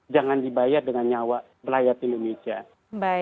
jangan dibayar dengan nyawa rakyat indonesia